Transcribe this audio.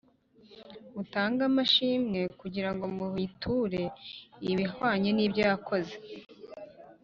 Mutange amashimwe kugira ngo muyiture ibihwanye nibyo yakoze